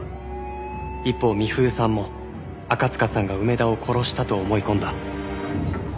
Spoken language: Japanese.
一方美冬さんも赤塚さんが梅田を殺したと思い込んだ。